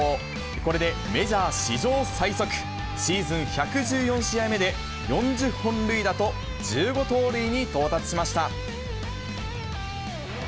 これでメジャー史上最速、シーズン１１４試合目で、４０本塁打と１５盗塁に到達しました。